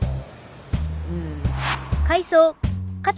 うん。